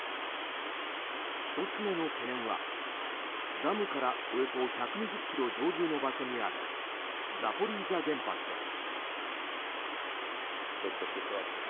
１つ目の懸念はダムからおよそ１２０ｋｍ上流の場所にあるザポリージャ原発です。